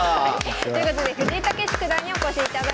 ということで藤井猛九段にお越しいただきました。